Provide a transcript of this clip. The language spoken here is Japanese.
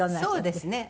そうですね。